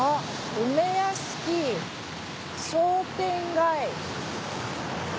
梅屋敷商店街。